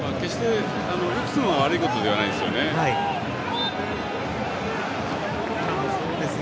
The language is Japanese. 決して打つのは悪いことじゃないんですよね。